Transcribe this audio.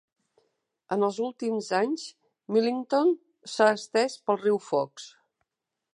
En els últims anys, Millington s'ha estès pel riu Fox.